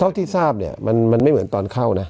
ที่ทราบเนี่ยมันไม่เหมือนตอนเข้านะ